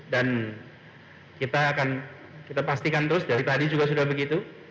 dan kita akan kita pastikan terus dari tadi juga sudah begitu